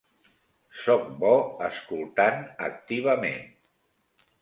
Soc bo escoltant activament.